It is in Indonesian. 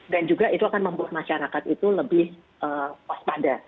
dan juga itu akan membuat masyarakat itu lebih waspada